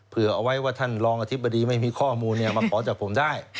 เอาไว้ว่าท่านรองอธิบดีไม่มีข้อมูลมาขอจากผมได้